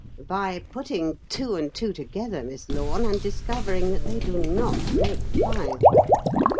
"By putting two and two together, Miss Lorne, and discovering that they do not make five.